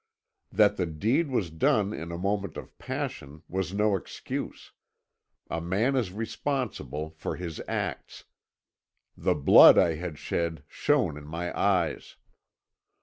That the deed was done in a moment of passion was no excuse; a man is responsible for his acts. The blood I had shed shone in my eyes.